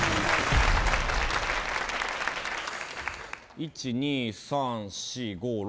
１、２、３、４５、６